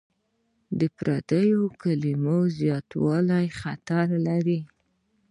د پردیو کلمو زیاتوالی خطر لري.